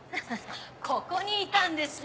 ここにいたんですね。